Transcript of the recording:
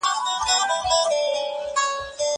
که وخت وي، لیکل کوم!